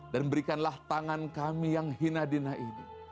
dan berikanlah tangan kami yang hina dina ini